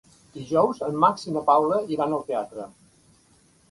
Dijous en Max i na Paula iran al teatre.